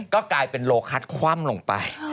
ก็กลายเป็นโลคัสคว่ำลงไป